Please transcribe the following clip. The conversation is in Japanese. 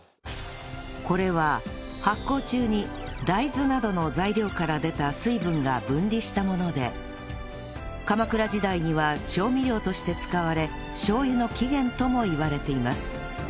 これは発酵中に大豆などの材料から出た水分が分離したもので鎌倉時代には調味料として使われしょう油の起源ともいわれています